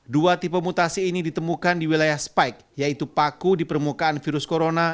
dua tipe mutasi ini ditemukan di wilayah spike yaitu paku di permukaan virus corona